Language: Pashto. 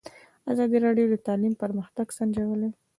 ازادي راډیو د تعلیم پرمختګ سنجولی.